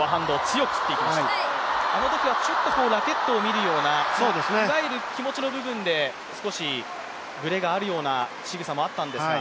あのときはちょっとラケットを見るようないわゆる、気持ちの部分で少しブレがあるようなしぐさがあったんですが。